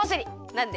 なんで？